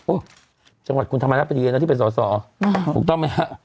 โอ้จังหวัดคุณธรรมนักปฏิเวณแล้วที่เป็นส่อถูกต้องไหม